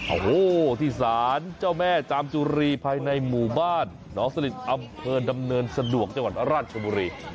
โอ้โหที่ศาลเจ้าแม่จามจุรีภายในหมู่บ้านหนองสลิดอำเภอดำเนินสะดวกจังหวัดราชบุรี